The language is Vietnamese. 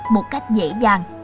một cách dễ dàng